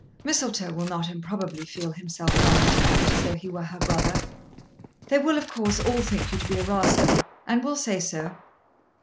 Mistletoe will not improbably feel himself bound to act as though he were her brother. They will, of course, all think you to be a rascal, and will say so."